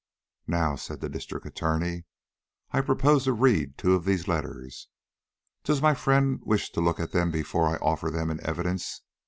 "Now," said the District Attorney, "I propose to read two of these letters. Does my friend wish to look at them before I offer them in evidence?"